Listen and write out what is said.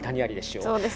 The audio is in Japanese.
そうです。